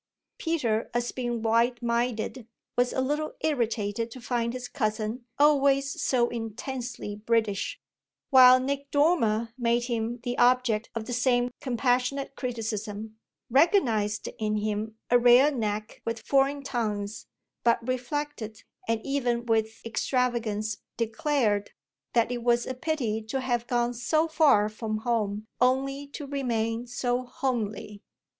Peter, as being wide minded, was a little irritated to find his cousin always so intensely British, while Nick Dormer made him the object of the same compassionate criticism, recognised in him a rare knack with foreign tongues, but reflected, and even with extravagance declared, that it was a pity to have gone so far from home only to remain so homely.